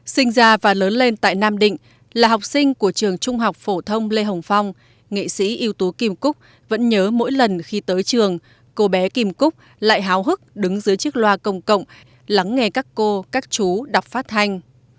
sinh ra và lớn lên tại nam định là học sinh của trường trung học phổ thông lê hồng phong nghệ sĩ ưu tú kim cúc vẫn nhớ mỗi lần khi tới trường cô bé kim cúc lại háo hức đứng dưới chiếc loa công cộng lắng nghe các cô các chú đọc phát thanh